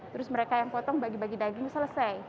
terus mereka yang potong bagi bagi daging selesai